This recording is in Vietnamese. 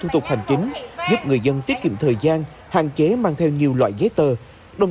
thủ tục hành chính giúp người dân tiết kiệm thời gian hạn chế mang theo nhiều loại giấy tờ đồng